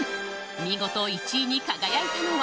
見事、１位に輝いたのは。